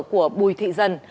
của bùi thị dân